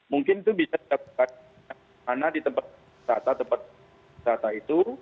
mungkin itu bisa dilakukan karena di tempat rata rata itu